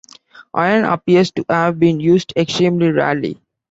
Iron appears to have been used extremely rarely.